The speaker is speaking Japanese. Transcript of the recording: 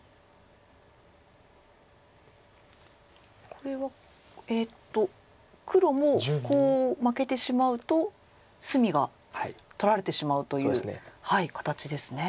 これは黒もコウを負けてしまうと隅が取られてしまうという形ですね。